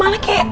masih inget ya